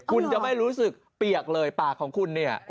คุณจะไม่รู้สึกเปียกเลยปากของคุณเนี่ย